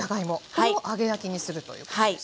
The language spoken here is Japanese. これを揚げ焼きにするということですね。